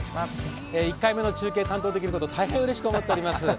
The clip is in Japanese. １回目の中継を担当できること、大変うれしく思っております。